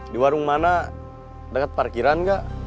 di warung mana dekat parkiran nggak